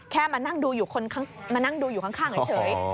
แค่มานั่งดูอยู่ข้างเฉย